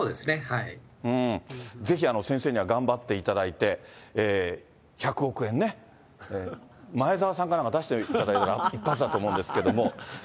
ぜひ先生には頑張っていただいて、１００億円ね、前澤さんかなんか出していただいたら一発だと思うんですけれども。